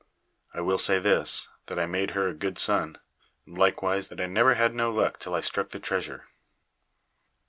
I will say this, that I made her a good son; and likewise, that I never had no luck till I struck the Treasure.